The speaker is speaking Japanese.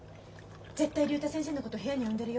絶対竜太先生のこと部屋に呼んでるよ。